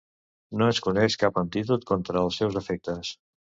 No es coneix cap antídot contra els seus efectes.